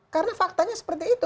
karena faktanya seperti itu